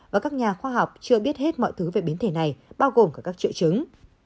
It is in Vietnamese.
và các nhà khoa học chưa biết hết mọi thứ về biến thể này bao gồm cả các triệu chứng